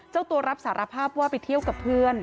เจ้าตัวรับสารภาพว่าไปเที่ยวกับเพื่อน